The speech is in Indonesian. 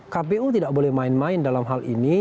kpu tidak boleh main main dalam hal ini